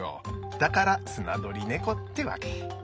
だからスナドリネコってわけ。